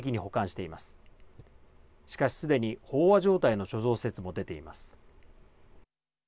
しかし、すでに飽和状態の貯蔵施設も出ています。